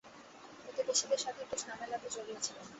প্রতিবেশীদের সাথে একটু ঝামেলাতে জড়িয়েছিলেন।